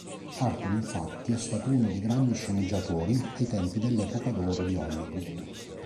Arthur infatti è stato uno dei grandi sceneggiatori ai tempi dell'epoca d'oro di Hollywood.